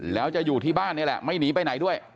แล้วจะอยู่ที่บ้านนี่แหละไม่หนีไปไหนด้วย